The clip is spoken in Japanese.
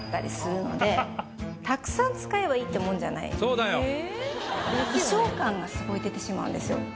そうだよ。がすごい出てしまうんですよ。